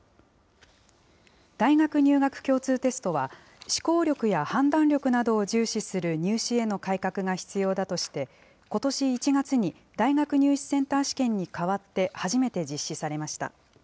大学入学共通テストは、思考力や判断力などを重視する入試への改革が必要だとして、ことし１月に大学入試センター試験に代わって初めて実施されました。